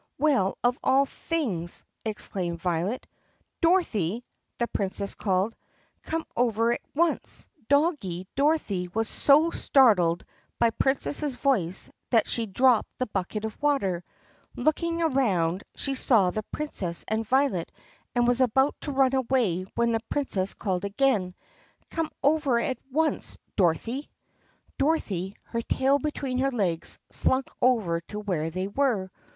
"Well, of all things!" exclaimed Violet. "Dorothy!" the Princess called, "come over at once!" Dog THE PUSSYCAT PRINCESS 42 gie Dorothy was so startled by the Princess's voice that she dropped the bucket of water. Looking around, she saw the Princess and Violet and was about to run away when the Prin cess called again, "Come over at once, Dorothy!" Dorothy, her tail between her legs, slunk over to where they were.